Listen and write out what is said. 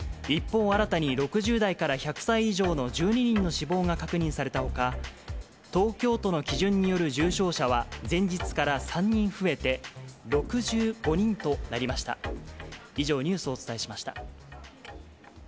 一方、新たに６０代から１００歳以上の１２人の死亡が確認されたほか、東京都の基準による重症者は、前日から３人増えて６５人となりました。